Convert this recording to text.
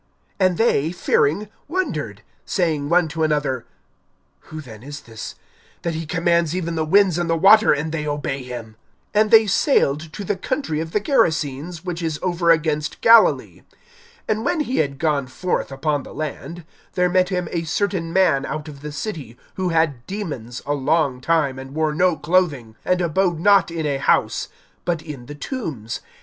And they, fearing, wondered; saying one to another: Who then is this, that he commands even the winds and the water, and they obey him! (26)And they sailed to the country of the Gerasenes, which is over against Galilee. (27)And when he had gone forth upon the land, there met him a certain man out of the city, who had demons a long time, and wore no clothing, and abode not in a house, but in the tombs.